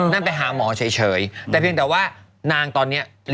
นั่นไปหาหมอเฉยแต่เพียงแต่ว่านางตอนนี้